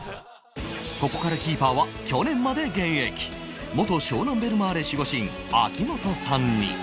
ここからキーパーは去年まで現役元湘南ベルマーレ守護神秋元さんに